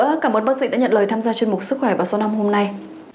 một lần nữa cảm ơn bác sĩ đã nhận lời tham gia chương mục sức khỏe vào sau năm hôm nay